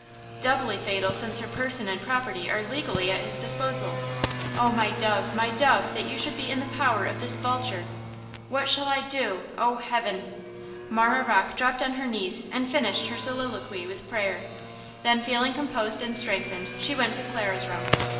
–doubly fatal since her person and property are legally at his disposal. On, my dove! my dove! that you should be in the power of this vulture! What shall I do, oh, heaven?" Marah dropped on her knees and finished her soliloquy with prayer. Then, feeling composed and strengthened, she went to Clara's room.